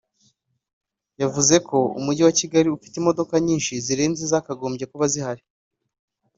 yavuze ko Umujyi wa Kigali ufite imodoka nyinshi zirenze izakagombye kuba zihari